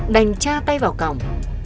đành cha tay vào cổng